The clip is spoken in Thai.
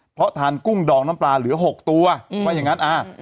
เพราะทานกุ้งดองน้ำปลาเหลือ๖ตัวว่าอย่างนั้น